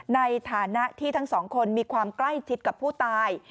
ในฐานะที่ทั้งสองคนมีความใกล้ชิดกับผู้ตาย